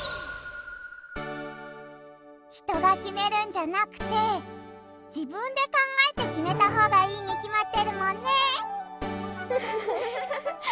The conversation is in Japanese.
人がきめるんじゃなくて自分で考えてきめたほうがいいにきまってるもんね。